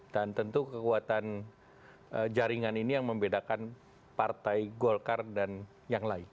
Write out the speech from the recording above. dan tentu kekuatan jaringan ini yang membedakan partai golkar dan yang lain